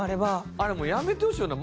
あれもうやめてほしいよな。